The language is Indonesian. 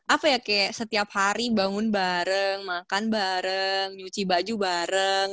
apa ya kayak setiap hari bangun bareng makan bareng nyuci baju bareng